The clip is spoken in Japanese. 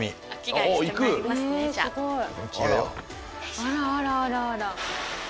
あらあらあらあら。